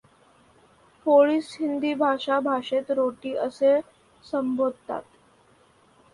पोळीस हिंदी भाषा भाषेत रोटी असे संबोधतात.